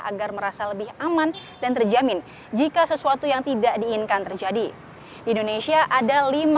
agar merasa lebih aman dan terjamin jika sesuatu yang tidak diinginkan terjadi di indonesia ada lima